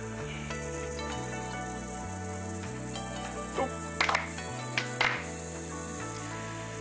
よっ。